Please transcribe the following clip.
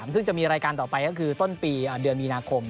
ซึ่งจะมีรายการต่อไปก็คือต้นปีเดือนมีนาคม